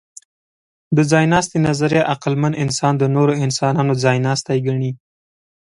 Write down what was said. د ځایناستي نظریه عقلمن انسان د نورو انسانانو ځایناستی ګڼي.